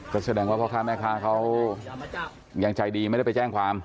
ก็แสดงว่าพ่อค้าแม่ค้าเขายังใจดีไม่ได้ไปแจ้งความ